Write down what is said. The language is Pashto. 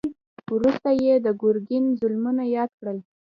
وروسته يې د ګرګين ظلمونه ياد کړل.